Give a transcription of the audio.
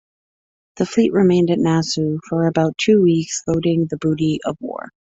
The fleet remained at Nassau for about two weeks loading the booty of war.